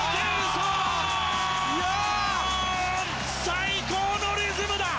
最高のリズムだ！